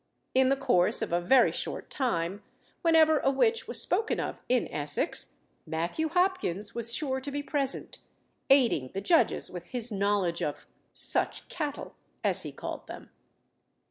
In the course of a very short time, whenever a witch was spoken of in Essex, Matthew Hopkins was sure to be present, aiding the judges with his knowledge of "such cattle," as he called them.